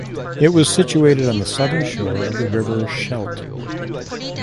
It was situated on the southern shore of the river Scheldt.